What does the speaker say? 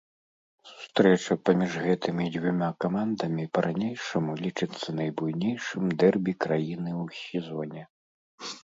Сустрэча паміж гэтымі дзвюма камандамі па-ранейшаму лічыцца найбуйнейшым дэрбі краіны ў сезоне.